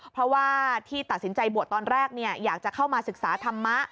เพราะว่าที่ตัดสินใจบวชตอนแรกอยากจะเข้ามาศึกษาธรรมะ